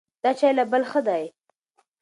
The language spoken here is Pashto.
دا چای له هغه بل ښه دی.